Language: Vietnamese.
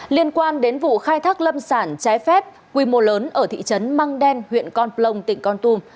liên quan đến vụ khai thác lâm sản trái phép quy mô lớn ở thị trấn măng đen huyện con plong tỉnh con tum